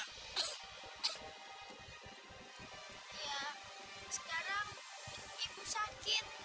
iya sekarang ibu sakit